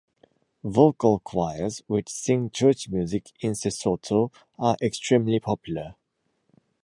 Vocal choirs, which sing church music in Sesotho, are extremely popular.